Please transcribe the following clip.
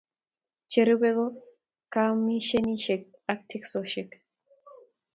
Cherubei ko kamanisheik ab teksosiek